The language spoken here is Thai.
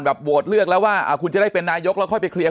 โหวตเลือกแล้วว่าคุณจะได้เป็นนายกแล้วค่อยไปเคลียร์